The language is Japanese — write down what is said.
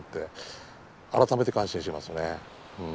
改めて感心しますね。